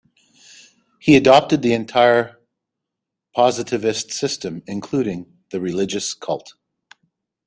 He adopted the entire positivist system, including the religious cult.